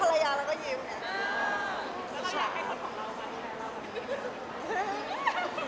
มองภรรยาน้ำก็ยิ้ม